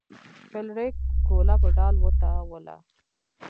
فلیریک ګوله په ډال وتاوله.